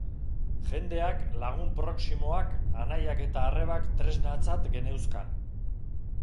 Jendeak, lagun proximoak, anaiak eta arrebak tresnatzat geneuzkan.